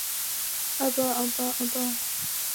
目前未有任何亚种。